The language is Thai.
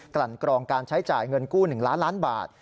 ลั่นกรองการใช้จ่ายเงินกู้๑ล้านล้านบาท